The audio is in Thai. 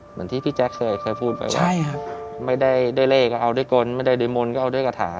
เหมือนที่พี่แจ๊คเคยเคยพูดไปว่าไม่ได้ได้เลขก็เอาด้วยกลไม่ได้ด้วยมนต์ก็เอาด้วยกระถา